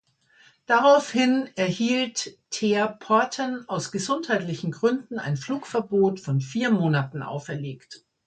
Daraufhin erhielt ter Poorten aus gesundheitlichen Gründen ein Flugverbot von vier Monaten auferlegt.